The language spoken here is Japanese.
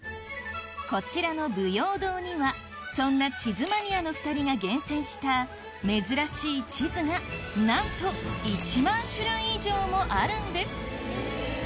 こちらのぶよお堂にはそんな地図マニアの２人が厳選した珍しい地図がなんと１万種類以上もあるんです